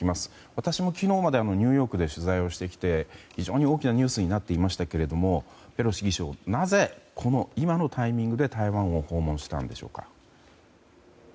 私も昨日までニューヨークで取材をしてきて非常に大きなニュースになっていましたけどもなぜペロシ議長はこの今のタイミングで台湾を訪問したのでしょうか。